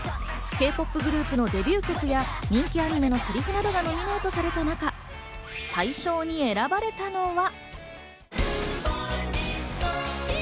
Ｋ−ＰＯＰグループのデビュー曲や人気アニメのセリフなどがノミネートされる中、大賞に選ばれたのが。